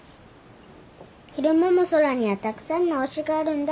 昼間も空にはたくさんの星があるんだ。